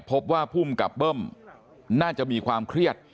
พบว่าภูมิกับเบิ้มน่าจะมีความเครียด